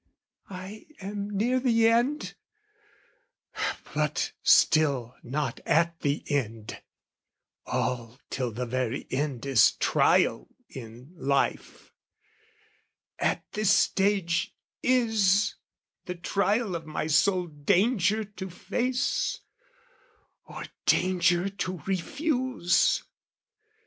I am near the end; but still not at the end; All till the very end is trial in life: At this stage is the trial of my soul Danger to face, or danger to refuse?